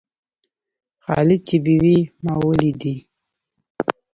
خالد چې بېوى؛ ما وليدئ.